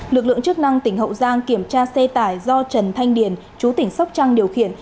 lực lượng chức năng tỉnh hậu giang kiểm tra xe tải do trần thanh điền chú tỉnh sóc trăng điều khiển